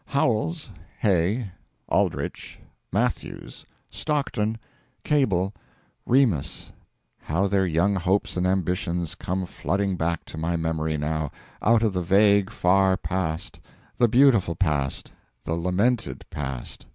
Howells, Hay, Aldrich, Matthews, Stockton, Cable, Remus how their young hopes and ambitions come flooding back to my memory now, out of the vague far past, the beautiful past, the lamented past!